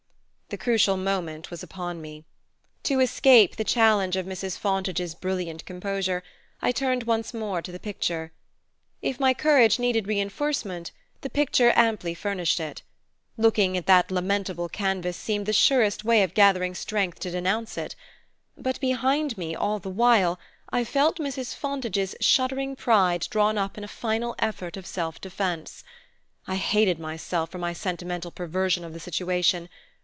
The crucial moment was upon me. To escape the challenge of Mrs. Fontage's brilliant composure I turned once more to the picture. If my courage needed reinforcement, the picture amply furnished it. Looking at that lamentable canvas seemed the surest way of gathering strength to denounce it; but behind me, all the while, I felt Mrs. Fontage's shuddering pride drawn up in a final effort of self defense. I hated myself for my sentimental perversion of the situation.